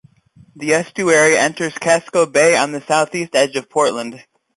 The estuary enters Casco Bay on the southeast edge of Portland.